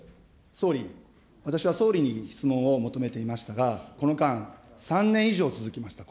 総理、私は総理に質問を求めていましたが、この間、３年以上、続きました。